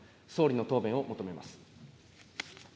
総理の答弁を求めます。